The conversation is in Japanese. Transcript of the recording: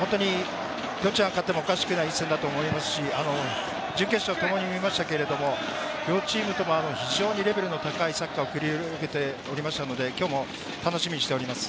ホントにどちらが勝ってもおかしくない一戦だと思いますし、準決勝ともに見ましたけれど、両チームとも非常にレベルの高いサッカーを繰り広げておりましたので、今日も楽しみにしております。